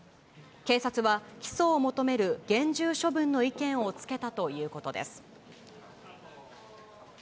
警察は、起訴を求める厳重処分の意見をつけたということです。